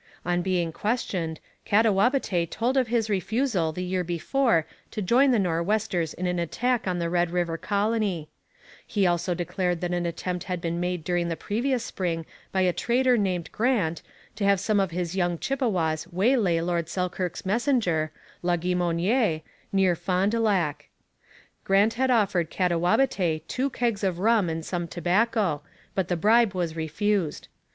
On being questioned, Katawabetay told of his refusal the year before to join the Nor'westers in an attack on the Red River Colony; he also declared that an attempt had been made during the previous spring by a trader named Grant to have some of his young Chippewas waylay Lord Selkirk's messenger, Laguimonière, near Fond du Lac. Grant had offered Katawabetay two kegs of rum and some tobacco, but the bribe was refused.